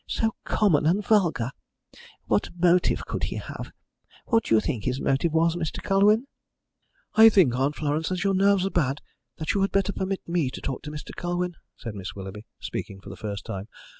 So common and vulgar! What motive could he have? What do you think his motive was, Mr. Colwyn?" "I think, Aunt Florence, as your nerves are bad, that you had better permit me to talk to Mr. Colwyn," said Miss Willoughby, speaking for the first time.